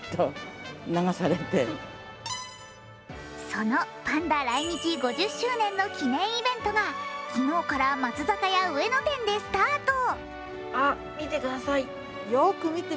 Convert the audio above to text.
そのパンダ来日５０周年の記念イベントが昨日から松坂屋上野店でスタート。